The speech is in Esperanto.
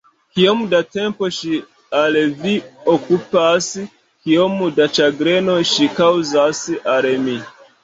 Kiom da tempo ŝi al vi okupas, kiom da ĉagreno ŝi kaŭzas al mi!